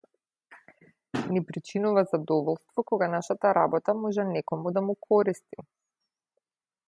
Ни причинува задоволство кога нашата работа може некому да му користи.